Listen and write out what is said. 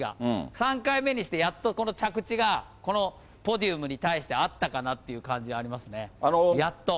３回目にしてやっとこの着地が、このに対してあったかなっていう感じはありますね、やっと。